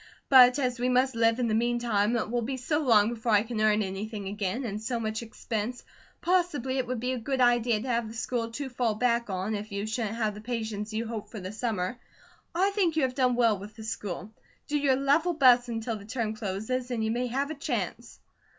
"But as we must live in the meantime, and it will be so long before I can earn anything again, and so much expense, possibly it would be a good idea to have the school to fall back on, if you shouldn't have the patients you hope for this summer. I think you have done well with the school. Do your level best until the term closes, and you may have a chance."